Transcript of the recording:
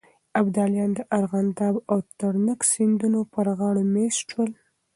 ابداليان د ارغنداب او ترنک سيندونو پر غاړو مېشت شول.